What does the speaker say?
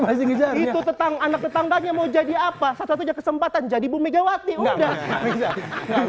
lagi jari tetang anak tetangganya mau jadi apa satu satunya kesempatan jadi bumn jawab di udah